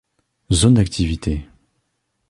Zone d'activités.